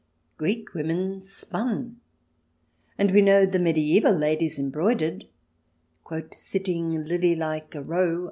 Greek women spun, and we know the medieval ladies embroidered " sitting, lily like, a row."